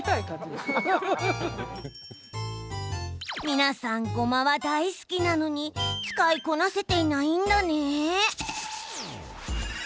皆さん、ごまは大好きなのに使いこなせていないんだね。